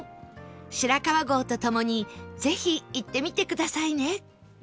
白川郷とともにぜひ行ってみてくださいね